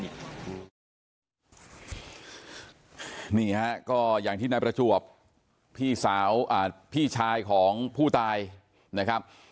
นี่ฮะก็อย่างที่นายประจวบพี่สาวพี่ชายของผู้ตายนะครับ